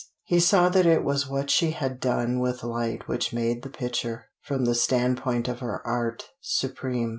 He saw that it was what she had done with light which made the picture, from the standpoint of her art, supreme.